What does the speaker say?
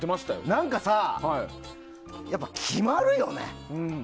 何かさ、やっぱ決まるよね。